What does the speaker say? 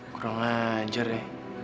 kurang ajar ya